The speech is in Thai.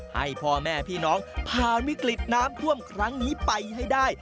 ให้พ่อแม่พี่น้องผ่านวิกฤตน้ำท่วมครั้งนี้ไปให้ได้